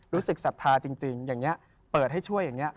รู้สึกศรัทธาจริงอย่างเนี้ย